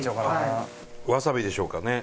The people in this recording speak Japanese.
わさびでしょうかね。